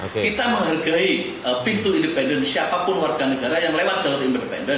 kita menghargai pintu independen siapapun warga negara yang lewat jalur independen